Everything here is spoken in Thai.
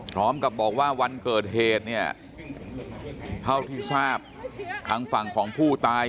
พร้อมกับบอกว่าวันเกิดเหตุเนี่ยเท่าที่ทราบทางฝั่งของผู้ตาย